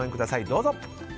どうぞ！